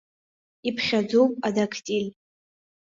Иԥхьаӡоуп адактиль.